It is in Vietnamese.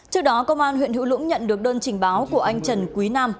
trước đó công an huyện hữu lũng nhận được đơn trình báo của anh trần quý nam